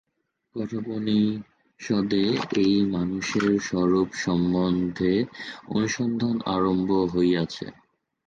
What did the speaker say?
কঠোপনিষদে এই মানুষের স্বরূপ সম্বন্ধে অনুসন্ধান আরম্ভ হইয়াছে।